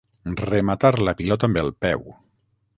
Rematar la pilota amb el peu.